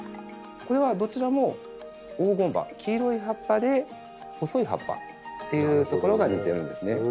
これはどちらも黄金葉黄色い葉っぱで細い葉っぱっていうところが似てるんですね。